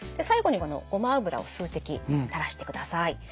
最後にこのごま油を数滴たらしてください。